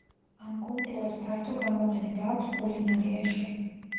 ამ კულტურას ფართო გამოყენება აქვს კულინარიაში.